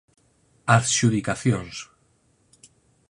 Adxudicacións